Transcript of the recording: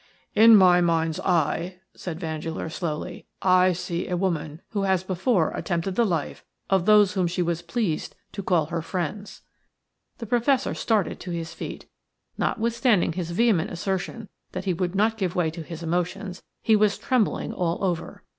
"In my mind's eye," said Vandeleur, slowly, "I see a woman who has before attempted the life of those whom she was pleased to call her friends." The Professor started to his feet Notwithstanding his vehement assertion that he would not give way to his emotions, he was trembling all over.